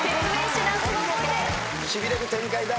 しびれる展開だ。